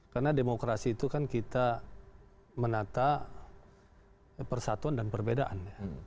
karena demokrasi itu kan kita menata persatuan dan perbedaan